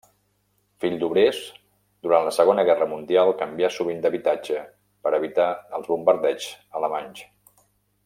Fill d'obrers, durant la Segona Guerra Mundial canvià sovint d'habitatge, per evitar els bombardeigs alemanys.